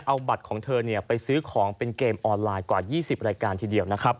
เอาบัตรของเธอไปซื้อของเป็นเกมออนไลน์กว่า๒๐รายการทีเดียวนะครับ